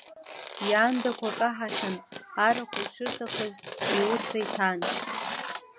Иаандақәа каҳахьан, арахә, ишырҭахыз, иуҭра иҭан.